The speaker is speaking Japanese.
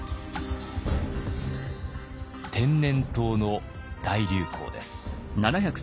天然痘の大流行です。